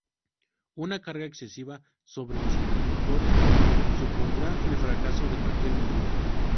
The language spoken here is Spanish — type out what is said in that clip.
Una carga excesiva sobre los agricultores supondrá el fracaso de cualquier medida.